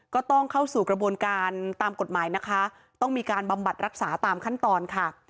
ก็ต้องเข้าสู่กระบวนการตามกฎหมายนะคะต้องมีการบำบัดรักษาตามขั้นตอนค่ะ